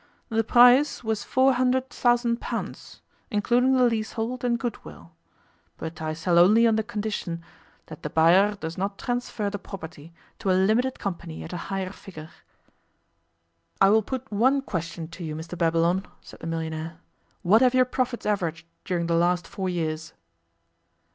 The price was four hundred thousand pounds, including the leasehold and goodwill. But I sell only on the condition that the buyer does not transfer the property to a limited company at a higher figure.' 'I will put one question to you, Mr Babylon,' said the millionaire. 'What have your profits averaged during the last four years?